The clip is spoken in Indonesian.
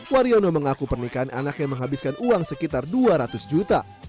waryono mengaku pernikahan anak yang menghabiskan uang sekitar dua ratus juta